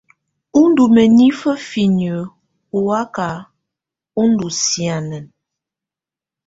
Ú ndú mǝnifǝ finiǝ́ ɔ́ wakaka ú ndú sianɛna.